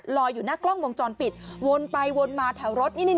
อยู่หน้ากล้องวงจรปิดวนไปวนมาแถวรถ